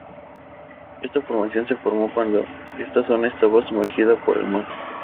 Esta formación se formó cuando esta zona estaba sumergida por el mar.